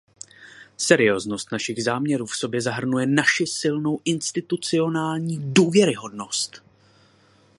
Serióznost našich záměrů v sobě zahrnuje naši silnou institucionální důvěryhodnost.